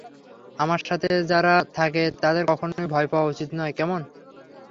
আমার সাথে যারা থাকে তাদের কখনই ভয় পাওয়া উচিত নয়, কেমন?